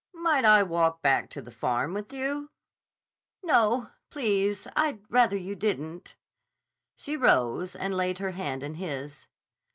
"Might I walk back to the Farm with you?" "No; please. I'd rather you didn't." She rose and laid her hand in his.